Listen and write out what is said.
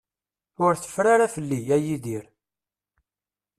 Ur teffer ara fell-i, a Yidir.